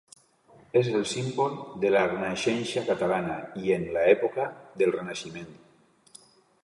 És el símbol de la Renaixença catalana i en l'època, del renaixement.